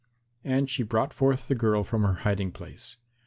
And she brought forth the girl from her hiding place.